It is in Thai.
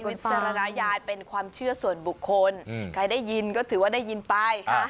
ของใช้วิจารณญาณในการรับชม